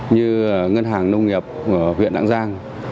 như ngân hàng nông nghiệp của huyện lạng giang